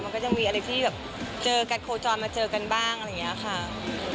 มันก็ยังมีอะไรที่แบบเจอกันโคจรมาเจอกันบ้างอะไรอย่างนี้ค่ะ